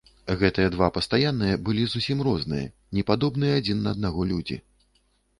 Гэтыя два пастаянныя былі зусім розныя, не падобныя адзін на аднаго, людзі.